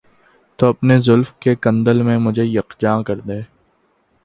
تو اپنی زلف کے کنڈل میں مجھے یکجا کر دے